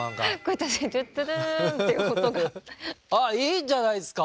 ああいいんじゃないですか？